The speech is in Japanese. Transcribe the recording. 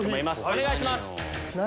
お願いします。